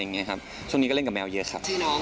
ช่วงนี้ก็เล่นกับแมวเยอะครับ